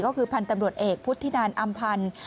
ก็คือพันธ์ตำรวจเอกพุทธินันอำพันธ์